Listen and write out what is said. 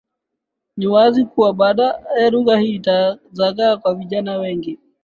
Ni wazi kuwa baadaye lugha hii itazagaa kwa vijana wengi